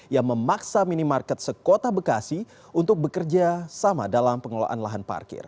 yang memaksa minimarket sekota bekasi untuk bekerja sama dalam pengelolaan lahan parkir